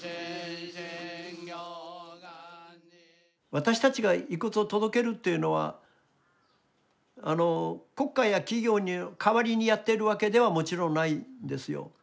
私たちが遺骨を届けるというのは国家や企業の代わりにやってるわけではもちろんないですよ。